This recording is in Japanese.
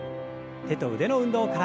手と腕の運動から。